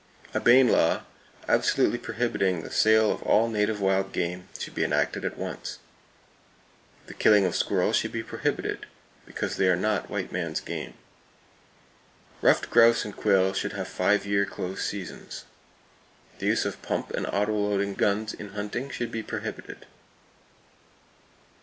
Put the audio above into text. A Bayne law, absolutely prohibiting the sale of all native wild game, should be enacted at once. The killing of squirrels should be prohibited; because they are not white men's game. Ruffed grouse and quail should have five year close seasons. The use of pump and autoloading guns in hunting should be prohibited.